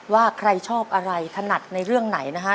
ว่าใครชอบอะไรถนัดในเรื่องไหนนะฮะ